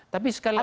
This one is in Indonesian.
tapi sekali lagi